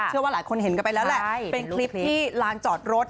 เชื่อว่าหลายคนเห็นกันไปแล้วแหละเป็นคลิปที่ลานจอดรถ